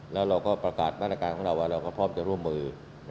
แล้วเราก็ประกาศมาตรการของเราว่าเราก็พร้อมจะร่วมมือ